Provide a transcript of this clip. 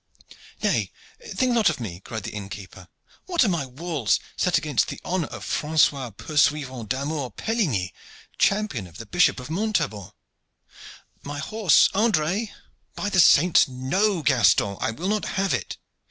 "Nay, think not of me!" cried the inn keeper. "What are my walls when set against the honor of Francois Poursuivant d'Amour Pelligny, champion of the Bishop of Montaubon. My horse, Andre!" "By the saints, no! Gaston, I will not have it!